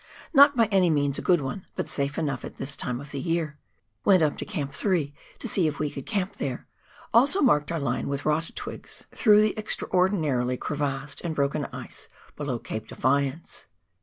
Not by any means a good one, but safe enough at this time of the year. "Went up to Camp 3 to see if we could camp there, also marked our line with rata twigs through the extraor THE FRANZ JOSEF GLACIER. 161 dinarlly crevassed and broken ice below Cape Defiance.